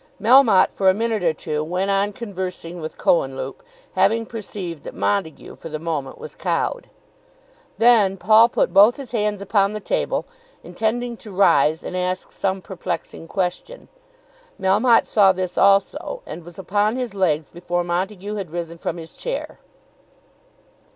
Melmotte for a minute or two went on conversing with Cohenlupe, having perceived that Montague for the moment was cowed. Then Paul put both his hands upon the table, intending to rise and ask some perplexing question. Melmotte saw this also and was upon his legs before Montague had risen from his chair.